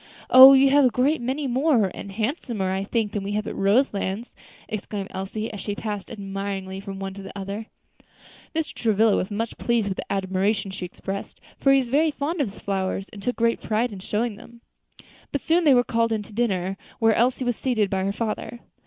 Oh! you have a great many more, and handsomer, I think, than we have at Roselands," exclaimed Elsie, as she passed admiringly from one to another. Mr. Travilla was much pleased with the admiration she expressed, for he was very fond of his flowers, and took great pride in showing them. But they were soon called in to dinner, where Elsie was seated by her father.